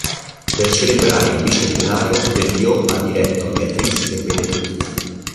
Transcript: Per celebrare il bicentenario Berlioz, ha diretto "Béatrice et Bénédict".